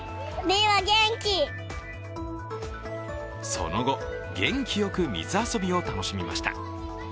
その後、元気よく水遊びを楽しみました。